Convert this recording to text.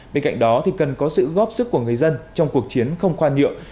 bên cạnh đó cần có sự góp sức của người dân trong cuộc chiến không khoan nhượng